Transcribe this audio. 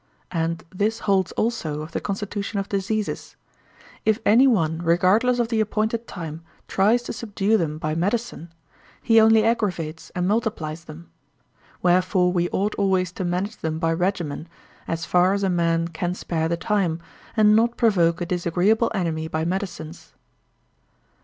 And this holds also of the constitution of diseases; if any one regardless of the appointed time tries to subdue them by medicine, he only aggravates and multiplies them. Wherefore we ought always to manage them by regimen, as far as a man can spare the time, and not provoke a disagreeable enemy by medicines.